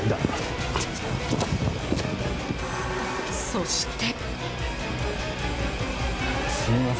そして。